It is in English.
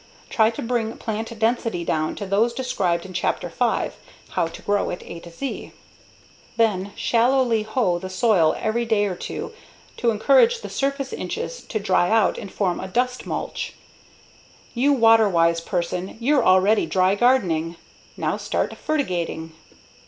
Try to bring plant density down to those described in Chapter 5, "How to Grow It: A Z" Then shallowly hoe the soil every day or two to encourage the surface inches to dry out and form a dust mulch. You water wise person you're already dry gardening now start fertigating.